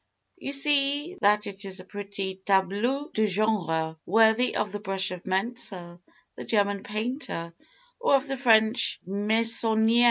"You see that it is a pretty tableau de genre, worthy of the brush of Mentzel, the German painter, or of the French Meissonier.